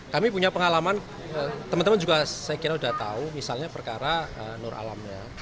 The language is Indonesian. kami punya pengalaman teman teman juga saya kira sudah tahu misalnya perkara nur alamnya